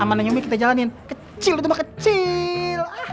amanah yang ini kita jalanin kecil itu mah kecil